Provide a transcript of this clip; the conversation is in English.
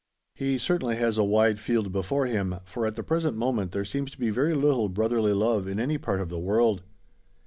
He certainly has a wide field before him, for at the present moment there seems to be very little brotherly love in any part of the world!